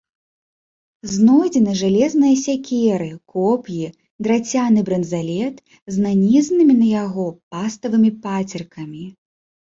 Знойдзены жалезныя сякеры, коп'і, драцяны бранзалет з нанізанымі на яго паставымі пацеркамі.